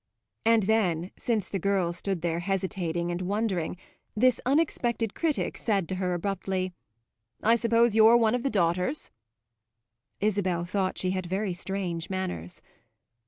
And then, since the girl stood there hesitating and wondering, this unexpected critic said to her abruptly: "I suppose you're one of the daughters?" Isabel thought she had very strange manners.